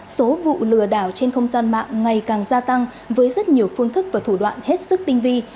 số vụ lừa đảo trên không gian mạng ngày càng gia tăng với rất nhiều phương thức và thủ đoạn hết sức tinh vi